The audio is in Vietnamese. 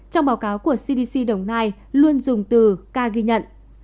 trong báo cáo của cdc đồng nai luôn dùng từ ca ghi nhận